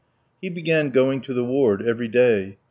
He began going to the ward every day.